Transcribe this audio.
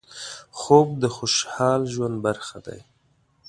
خوب د خوشحال ژوند برخه ده